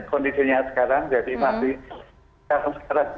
kondisinya sekarang jadi masih